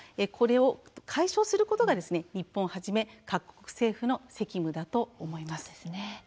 これを解消することが日本をはじめ各国政府の責務だと思います。